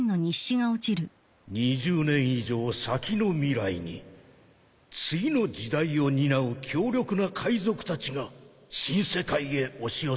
「２０年以上先の未来に次の時代を担う強力な海賊たちが新世界へ押し寄せてくる」